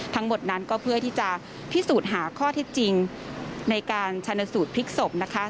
ทั้งหมดนั้นก็เพื่อที่จะพิสูจน์หาข้อเท็จจริงในการชนสูตรพลิกศพนะคะ